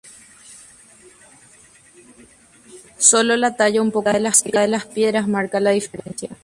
Sólo la talla un poco más seca de las piedras marca la diferencia.